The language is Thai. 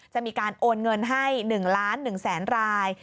มีการโอนเงินให้๑ล้าน๑แสนราย